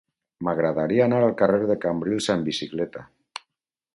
M'agradaria anar al carrer de Cambrils amb bicicleta.